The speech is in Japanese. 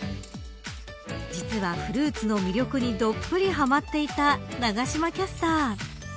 実はフルーツの魅力にどっぷりハマっていた永島キャスター。